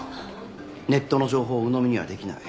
ネットの情報をうのみにはできない。